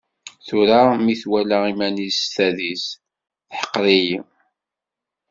Tura mi twala iman-is s tadist, teḥqer-iyi.